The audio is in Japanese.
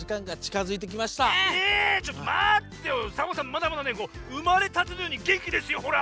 まだまだねうまれたてのようにげんきですよほら！